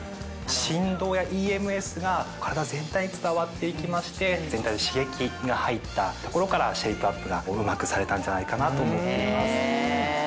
振動やＥＭＳが体全体に伝わって行きまして全体に刺激が入ったところからシェイプアップがうまくされたんじゃないかなと思っています。